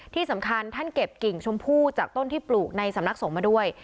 ที่สำคัญท่านเก็บกิ่งชมพู่จากต้นที่ปลูกในสำนักสงฆ์มาด้วย